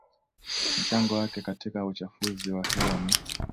mchango wake katika uchafuzi wa hewa n